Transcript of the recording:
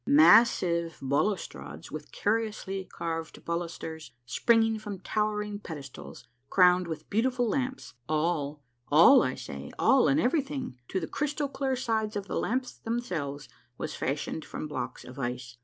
Massive balustrades with curiously carved balusters springing from towering pedestals, crowned with beautiful lamps, all, all, I say, all and everything, to the crystal clear sides of the lamps themselves, was fashioned from blocks of ice.